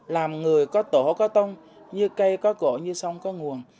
làm người có tổ có tông như cây có cổ như sông có nguồn